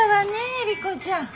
エリコちゃん。